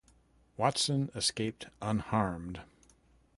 Watson escaped unharmed.